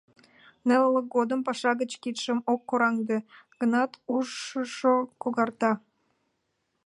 Нелылык годым паша гыч кидшым ок кораҥде гынат, ушыжо когарга.